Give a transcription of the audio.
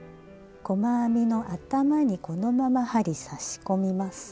細編みの頭にこのまま針差し込みます。